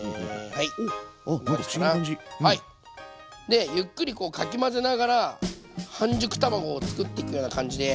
でゆっくりこうかき混ぜながら半熟卵をつくっていくような感じで。